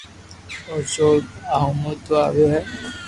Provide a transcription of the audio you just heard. او چور ڪي آ ھومو تو اوڀو ھي